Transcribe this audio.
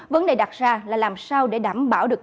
vấn đề đặt ra là làm sao để đảm bảo được